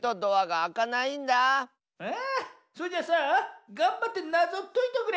あそれじゃあさがんばってなぞをといとくれ。